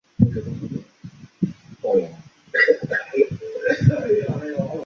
惠特利县是位于美国印第安纳州东北部的一个县。